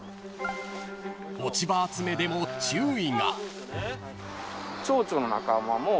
［落ち葉集めでも注意が］